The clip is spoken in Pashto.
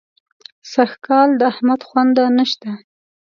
سږکال د احمد خونده نه شته.